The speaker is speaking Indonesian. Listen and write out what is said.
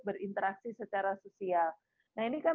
berinteraksi secara seseal ini kan